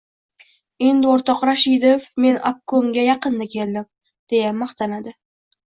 — Endi, o‘rtoq Rashidov... Men obkomga yakinda keldim, — deya manqalandi.